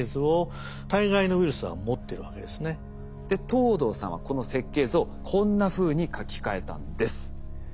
藤堂さんはこの設計図をこんなふうに書き換えたんです。